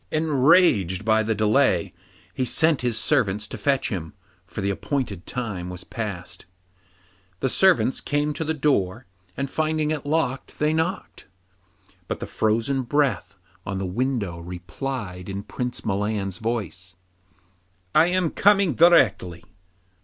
Enraged by the delay, he sent his servants to fetch him, for the appointed time was past. The servants came to the door, and finding it locked, they knocked; but the frozen breath on the window replied in Prince Milan's voice, 'I am coming directly.